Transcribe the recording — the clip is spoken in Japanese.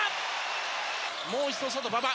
もう一度外、馬場。